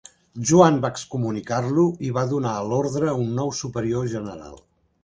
Joan va excomunicar-lo i va donar a l'orde un nou superior general.